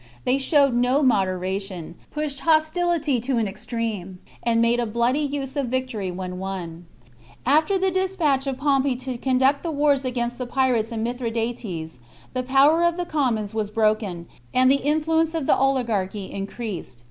They showed vSvvnr no moderation, pushed hostility to an extreme, and made a bloody use of victory when won. After ^^^^^ the despatch of Pompey to conduct the wars against the Pirates and Mithradates, the power of the com mons was broken, and the influence of the oligarchy increased.